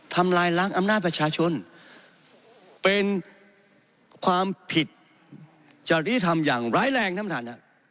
ทำลายล้างอำนาจประชาชนเป็นความผิดจริยธรรมอย่างร้ายแรงท่านประธาน